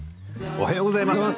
おはようございます。